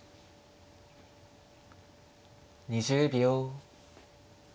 ２０秒。